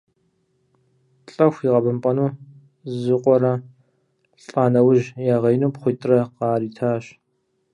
Лӏэху игъэбэмпӏэну зы къуэрэ, лӏа нэужь ягъеину пхъуитӏрэ къаритащ.